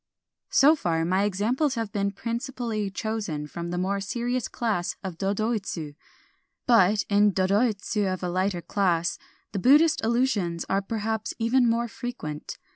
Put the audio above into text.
So far, my examples have been principally chosen from the more serious class of dodoitsu. But in dodoitsu of a lighter class the Buddhist allusions are perhaps even more frequent.